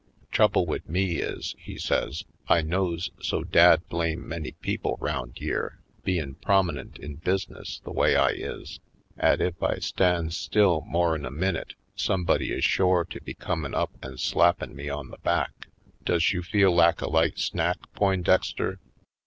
Trouble wid me is," he says, "I knows so dad blam.e many people round yere, bein' prominent in busi ness the way I is, 'at ef I stands still more'n a minute somebody is shore to be comin' up an' slappin' me on the back. Does you feel lak a light snack, Poindexter?"